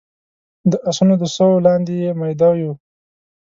د اسونو د سوو لاندې يې ميده يو